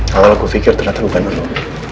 kalau aku pikir ternyata bukan dulu